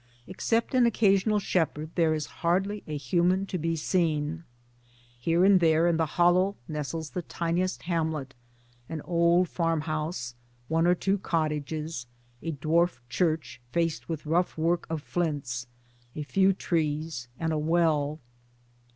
Except an occasional shepherd there is hardly a, human to be seen. Here and there in a hollow nestles the tiniest hamlet an old farmhouse, one or two cottages, a dwarf church faced with rough work of flints, a few trees and a well.